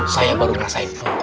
saya baru ngerasain